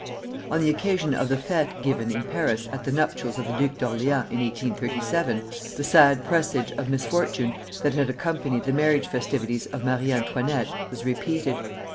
On the occasion of the fêtes given in Paris at the nuptials of the Duke of Orleans, in 1837, the sad presage of misfortune that had accompanied the marriage festivities of Marie Antoinette was repeated.